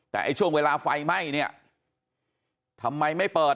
แต่ไอ้ช่วงเวลาไฟไหม้เนี่ยทำไมไม่เปิด